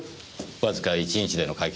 わずか１日での解決